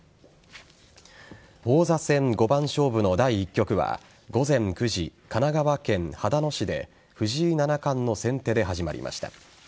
王座戦五番勝負の第１局は午前９時、神奈川県秦野市で藤井七冠の先手で始まりました。